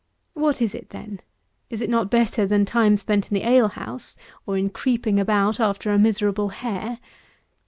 What is it, then? Is it not better than time spent in the ale house, or in creeping about after a miserable hare?